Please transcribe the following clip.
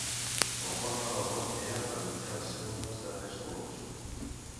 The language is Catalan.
La forma del vot era per mitjà de cèdules de tres colors.